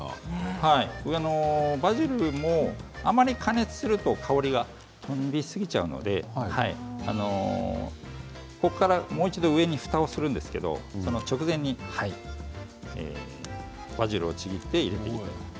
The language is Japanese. バジルもあまり加熱すると香りが飛んでしまいますのでこれからもう一度上にふたをするんですけれど直前にバジルをちぎって入れます。